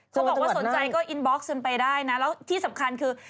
เขาบอกว่าสนใจก็อินบ็อกซ์จนไปได้นะแล้วที่สำคัญคือ